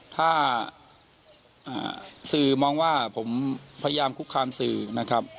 ถ้าสื่อมองว่าผมพยายามคุกคามสื่อนะครับ